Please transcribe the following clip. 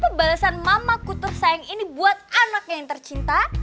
dan apa balasan mamaku tersayang ini buat anaknya yang tercinta